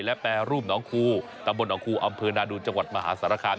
และแปรรูปน้องคู่ตำบลน้องคู่อำเภอนาดูจังหวัดมหาศาลกรรม